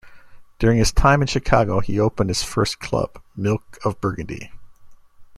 During his time in Chicago he opened his first club, Milk of Burgundy.